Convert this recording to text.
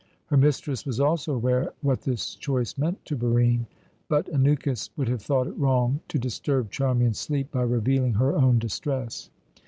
Her mistress was also aware what this choice meant to Barine. But Anukis would have thought it wrong to disturb Charmian's sleep by revealing her own distress.